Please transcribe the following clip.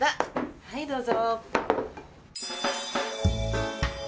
はいどうぞ。